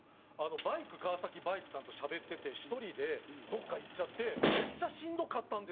「バイク川崎バイクさんとしゃべってて１人でどっか行っちゃってめっちゃしんどかったんですよ